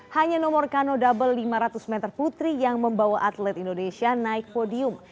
hanya nomor kano double lima ratus meter putri yang membawa atlet indonesia naik podium